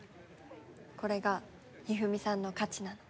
これがひふみさんの価値なの。